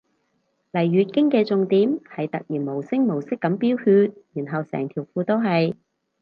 嚟月經嘅重點係突然無聲無息噉飆血然後成褲都係